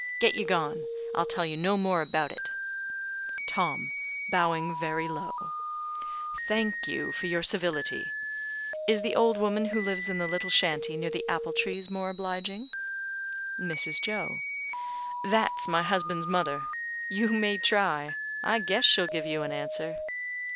Get you gone; I'll tell you no more about it." Tom (bowing very low): "Thank you for your civility. Is the old woman who lives in the little shanty near the apple trees more obliging?" Mrs. Joe: "That's my husband's mother. You may try. I guess she'll give you an answer."